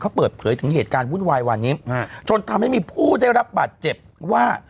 เขาเปิดเผยถึงเหตุการณ์วุ่นวายวันนี้จนทำให้มีผู้ได้รับบาดเจ็บว่า